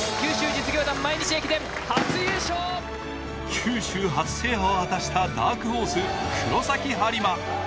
九州初制覇を果たしたダークホース・黒崎播磨。